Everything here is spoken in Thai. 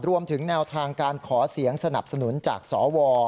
รวมถึงแนวทางการขอเสียงสนับสนุนจากสว